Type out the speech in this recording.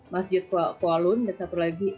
masjid qualun dan satu lagi